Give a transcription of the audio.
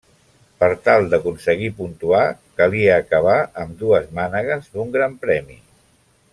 Per tal d'aconseguir puntuar, calia acabar ambdues mànegues d'un Gran Premi.